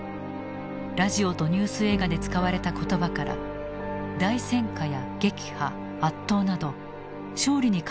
ラジオとニュース映画で使われた言葉から大戦果や撃破圧倒など勝利に関連した言葉を抽出した。